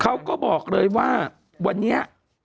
เขาก็บอกเลยว่าวันนี้